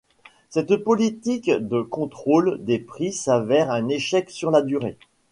Cette politique de contrôle des prix s'avère un échec sur la durée.